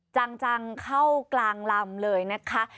จังเข้ากลางลำเลยนะคะ